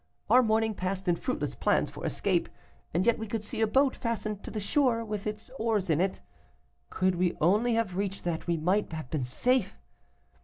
Our morning passed in fruitless plans for escape, and yet we could see a boat fastened to the shore, with its oars in it. Could we only have reached that, we might have been safe.